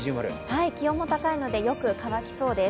気温も高いのでよく乾きそうです。